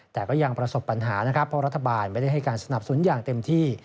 แต่ก็ยังประสบปัญหานะครับเพราะรัฐบาลไม่ได้ให้การสนับสนุนอย่างเต็มที่